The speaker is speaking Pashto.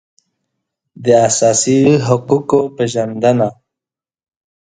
د اساسي حقوقو پېژندنه